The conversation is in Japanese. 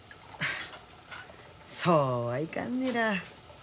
そうはいかんねら。